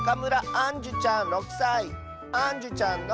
あんじゅちゃんの。